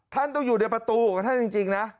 ท่านต้องอยู่ในประตูของท่านจริงนะ